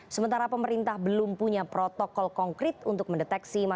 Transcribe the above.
sementara pemerintah belum punya protokol konkret untuk mendeteksi